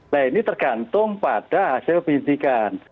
nah ini tergantung pada hasil penyidikan